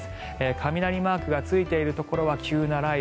雷マークがついているところは急な雷雨